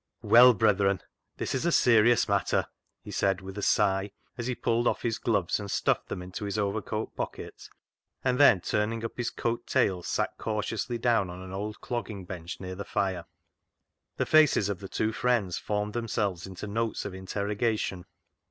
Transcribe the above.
" Well, brethren, this is a serious matter," he said, with a sigh, as he pulled off" his gloves and stuffed them into his overcoat pocket, and TATTY ENTWISTLE'S RETURN 105 then turning up his coat tails sat cautiously down on an old clogging bench near the fire. The faces of the two friends formed them selves into notes of interrogation.